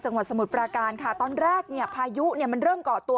จังหวัดสมุทรปราการค่ะตอนแรกพายุมันเริ่มเกาะตัว